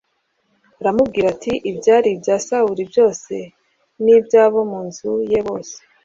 aramubwira ati “Ibyari ibya Sawuli byose n’iby’abo mu nzu ye bose